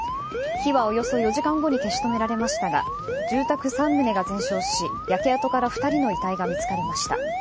火はおよそ４時間後に消し止められましたが住宅３棟が全焼し、焼け跡から２人の遺体が見つかりました。